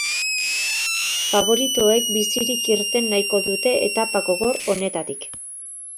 Faboritoek bizirik irten nahiko dute etapa gogor honetatik.